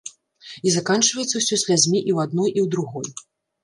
І заканчваецца ўсё слязьмі і ў адной, і ў другой.